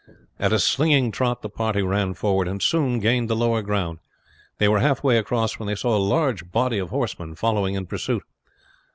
At a slinging trot the party ran forward, and soon gained the lower ground. They were halfway across when they saw a large body of horsemen following in pursuit.